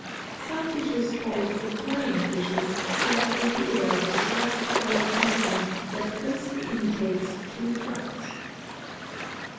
Some fishes called the flying fishes sail through the air with a grasshopper like motion that closely imitates true flight.